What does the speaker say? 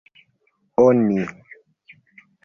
oni